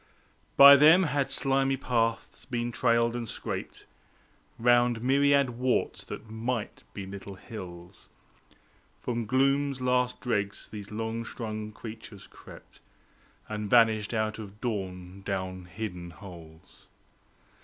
By them had slimy paths been trailed and scraped Round myriad warts that might be little hills. From gloom's last dregs these long strung creatures crept, And vanished out of dawn down hidden holes.